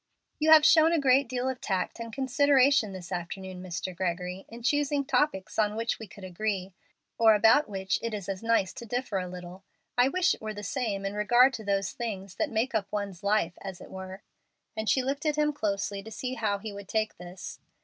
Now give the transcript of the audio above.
"You have shown a great deal of tact and consideration this afternoon, Mr. Gregory, in choosing topics on which we could agree, or about which it is as nice to differ a little. I wish it were the same in regard to those things that make up one's life, as it were;" and she looked at him closely to see how he would take this.